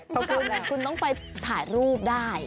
เพราะคุณต้องไปถ่ายรูปได้